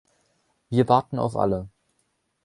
Wir warten auf alle.